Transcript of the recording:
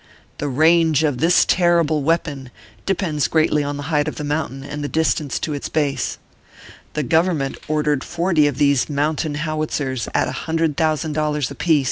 The range of this terrible weapon depends greatly on the height of the mountain and the distance to its base. The Government ordered forty of these moun tain howitzers at a hundred thousand dollars apiece, 86 ORPHEUS C.